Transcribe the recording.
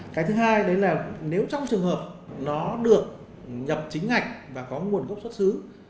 cái thứ hai đấy là nếu trong trường hợp nó được nhập chính ngạch và có nguồn gốc xuất xứ